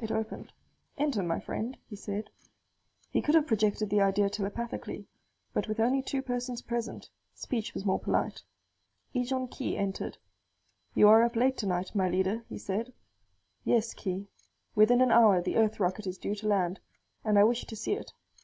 It opened. "Enter, my friend," he said. He could have projected the idea telepathically; but with only two persons present, speech was more polite. Ejon Khee entered. "You are up late tonight, my leader," he said. "Yes, Khee. Within an hour the Earth rocket is due to land, and I wish to see it.